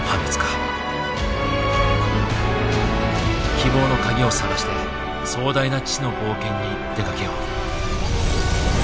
希望の鍵を探して壮大な知の冒険に出かけよう。